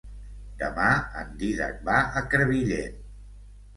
Demà en Dídac va a Crevillent.